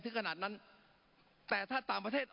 ขนาดนั้นแต่ถ้าต่างประเทศ